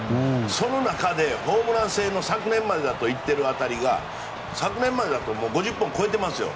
その中でホームラン性の昨年まで行ってる当たりが昨年までだと５０本超えてますよ。